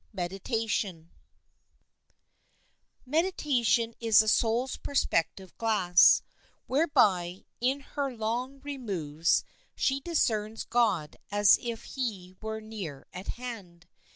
] Meditation is the soul's perspective glass, whereby, in her long removes, she discerns God as if he were near at hand.